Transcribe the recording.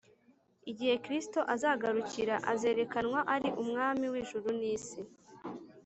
igihe kristo azagarukira, azerekanwa ari umwami w’ijuru n’isi